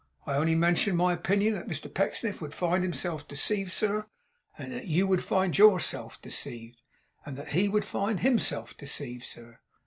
I only mentioned my opinion that Mr Pecksniff would find himself deceived, sir, and that you would find yourself deceived, and that he would find himself deceived, sir.